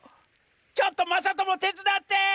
ちょっとまさともてつだって！